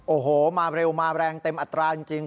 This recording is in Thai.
โอ้โหมาเร็วมาแรงเต็มอัตราจริง